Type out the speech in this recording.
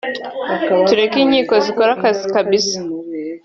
tureke inkiko zikore Akazi kabxp